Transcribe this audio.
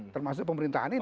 termasuk pemerintahan ini